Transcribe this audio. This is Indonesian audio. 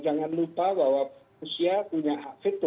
jangan lupa bahwa rusia punya hak veto